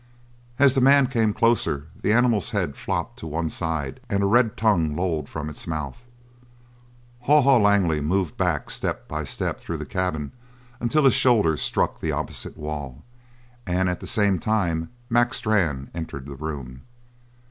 As the man came closer the animal's head flopped to one side and a red tongue lolled from its mouth. Haw Haw Langley moved back step by step through the cabin until his shoulders struck the opposite wall, and at the same time Mac Strann entered the room.